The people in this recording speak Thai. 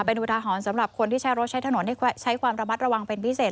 เป็นอุทาหรณ์สำหรับคนที่ใช้รถใช้ถนนให้ใช้ความระมัดระวังเป็นพิเศษ